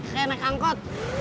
kayak naik angkot